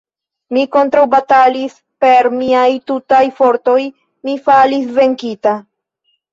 Mi kontraŭbatalis per miaj tutaj fortoj: mi falis venkita.